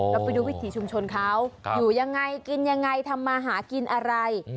เราไปดูวิถีชุมชนเขาอยู่ยังไงกินยังไงทำมาหากินอะไร